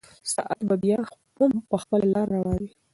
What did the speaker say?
ساعت به بیا هم په خپله لاره روان وي.